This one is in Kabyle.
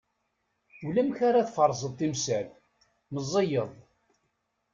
Ulamek ara tferẓeḍ timsal, meẓẓiyeḍ.